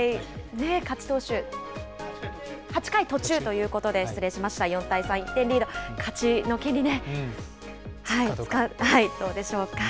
勝ち投手、８回途中ということで、失礼しました、４対３、１点リード、勝ちの権利ね、どうでしょうか。